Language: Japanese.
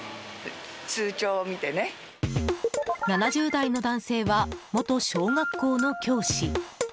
７０代の男性は元小学校の教師。